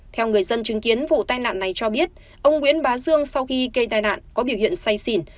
theo người dân chứng kiến vụ tai nạn này cho biết ông nguyễn bá dương sau khi gây tai nạn có biểu hiện say xỉn